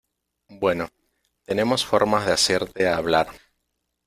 Bueno, tenemos formas de hacerte hablar.